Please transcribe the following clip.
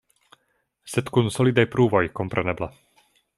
Sed kun solidaj pruvoj, kompreneble.